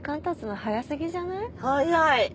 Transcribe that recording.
早い！